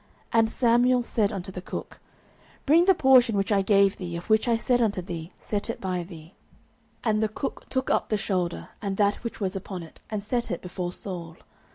09:009:023 And Samuel said unto the cook, Bring the portion which I gave thee, of which I said unto thee, Set it by thee. 09:009:024 And the cook took up the shoulder, and that which was upon it, and set it before Saul.